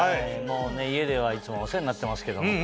家ではいつもお世話になってますけども。